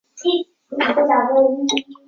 经精神检查发现他们神智正常。